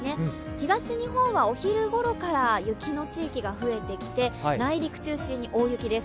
東日本はお昼ごろから雪の地域が増えてきて、内陸中心に大雪です。